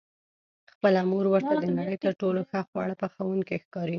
خپله مور ورته د نړۍ تر ټولو ښه خواړه پخوونکې ښکاري.